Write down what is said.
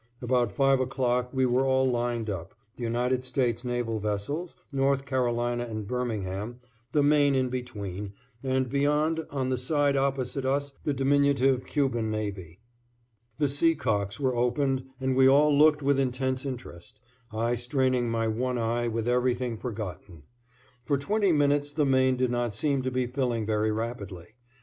About 5 o'clock we were all lined up, the United States naval vessels, North Carolina and Birmingham, the Maine in between, and beyond on the side opposite us the diminutive Cuban navy. The sea cocks were opened and we all looked with intense interest, I straining my one eye with everything forgotten. For twenty minutes the Maine did not seem to be filling very rapidly.